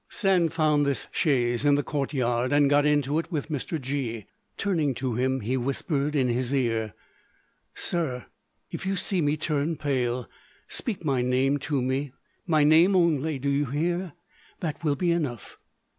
Sand found this chaise in the courtyard, and got into it with Mr. G——. Turning to him, he whispered in his ear, "Sir, if you see me turn pale, speak my name to me, my name only, do you hear? That will be enough."